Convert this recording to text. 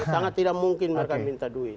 sangat tidak mungkin mereka minta duit